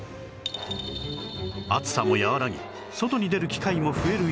暑さも和らぎ外に出る機会も増える